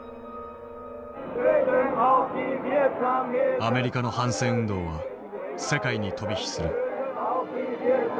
アメリカの反戦運動は世界に飛び火する。